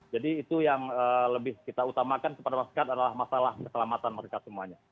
jadi itu yang lebih kita utamakan kepada masyarakat adalah masalah keselamatan mereka semuanya